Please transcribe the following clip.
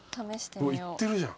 うわっいってるじゃん。